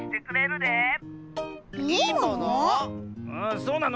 そうなの？